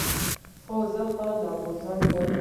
هو، زه ښه لامبوزن یم